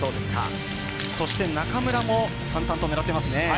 そして、中村も淡々と狙っていますね。